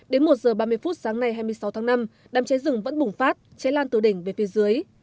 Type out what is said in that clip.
đến một h ba mươi phút sáng nay hai mươi sáu tháng năm đàm cháy rừng vẫn bùng phát cháy lan từ đỉnh về phía dưới